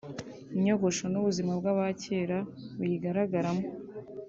inyogosho n’ubuzima bw’abacyera buyigaragaramo